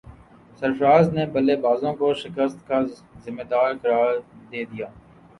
سرفراز نے بلے بازوں کو شکست کا ذمہ دار قرار دے دیا